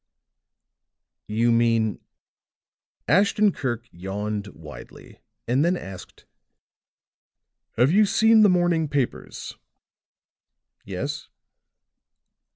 "You mean " Ashton Kirk yawned widely and then asked: "Have you seen the morning papers?" "Yes."